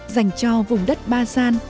dành cho vùng đất ba gian